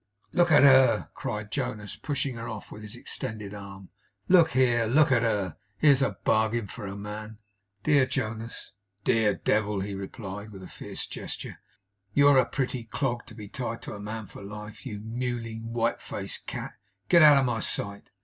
'Look at her!' cried Jonas, pushing her off with his extended arm. 'Look here! Look at her! Here's a bargain for a man!' 'Dear Jonas!' 'Dear Devil!' he replied, with a fierce gesture. 'You're a pretty clog to be tied to a man for life, you mewling, white faced cat! Get out of my sight!